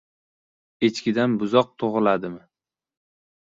• Echkidan buzoq tug‘iladimi?